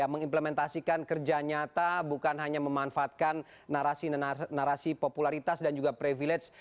mengimplementasikan kerja nyata bukan hanya memanfaatkan narasi narasi popularitas dan juga privilege